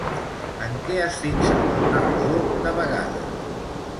En què es fixava el narrador de vegades?